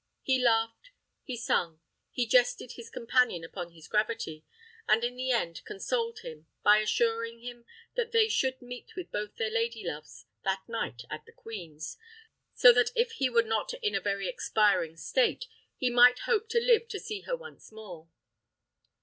He laughed, he sung, he jested his companion upon his gravity, and in the end consoled him, by assuring him that they should meet with both their lady loves that night at the queen's, so that if he were not in a very expiring state, he might hope to live to see her once more.